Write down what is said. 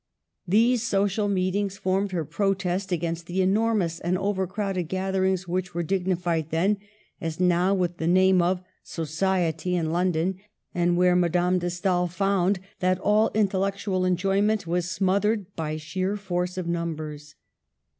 These social meetings formed her protest against the enormous and overcrowded gather ings which were dignified then, as now, with the name of " society " in London, and where Ma dame de Stael found that all intellectual enjoy ment was smothered by sheer force of numbers.